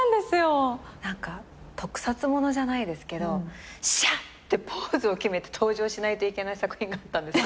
何か特撮物じゃないですけどシャッてポーズを決めて登場しないといけない作品があったんです。